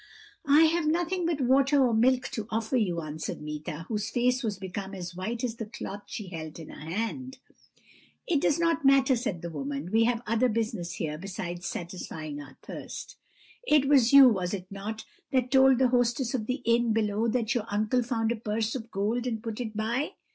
"'I have nothing but water or milk to offer you,' answered Meeta, whose face was become as white as the cloth she held in her hand. "'It does not matter,' said the woman; 'we have other business here besides satisfying our thirst; it was you, was it not, that told the hostess of the inn below that your uncle found a purse of gold and put it by?